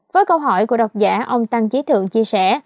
với câu hỏi của đọc giả ông tăng chí thượng chia sẻ